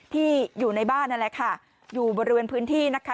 ที่อยู่ในบ้านนั่นแหละค่ะอยู่บริเวณพื้นที่นะคะ